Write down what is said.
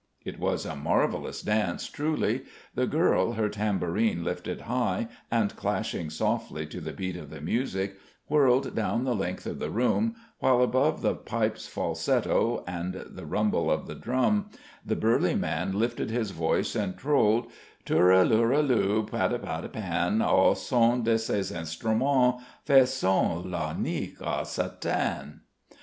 It was a marvellous dance, truly. The girl, her tambourine lifted high, and clashing softly to the beat of the music, whirled down the length of the room, while above the pipe's falsetto and rumble of the drum the burly man lifted his voice and trolled "_Turelurelu, patapatapan Au son de ces instruments Faisons la nique à Satan!